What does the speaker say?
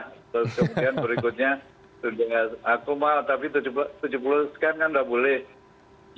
kemudian berikutnya sudah akumal tapi tujuh puluh sekarang kan tidak boleh